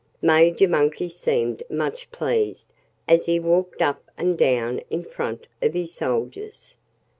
Major Monkey seemed much pleased as he walked up and down in front of his soldiers.